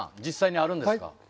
実際にあるんですか？